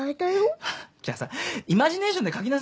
じゃあさイマジネーションで書きなさいよ。